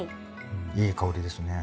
いい香りですね。